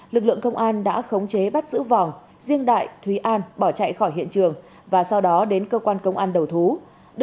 lực lượng công an đã khống chế bắt giữ vòng riêng đại thúy an bỏ chạy khỏi hiện trường và sau đó đến cơ quan công an đầu thú